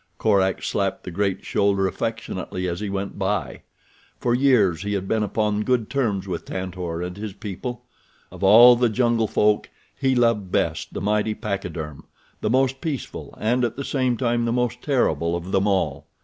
Korak slapped the great shoulder affectionately as he went by. For years he had been upon good terms with Tantor and his people. Of all the jungle folk he loved best the mighty pachyderm—the most peaceful and at the same time the most terrible of them all.